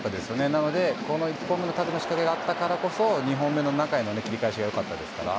なので、１本目の縦の仕掛けがあったからこそ２本目の中への切り替えしが良かったですから。